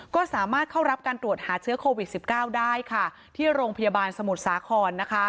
ก็สามารถเข้ารับการตรวจหาเชื้อโควิด๑๙ได้ค่ะที่โรงพยาบาลสมุทรสาคร